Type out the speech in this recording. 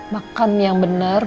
makan yang benar